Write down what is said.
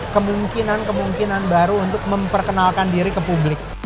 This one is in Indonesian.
kemungkinan kemungkinan baru untuk memperkenalkan diri ke publik